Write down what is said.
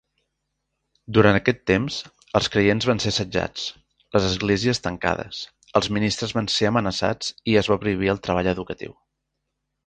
Durant aquest temps, els creients van ser assetjats, les esglésies tancades, els ministres van ser amenaçats i es va prohibir el treball educatiu.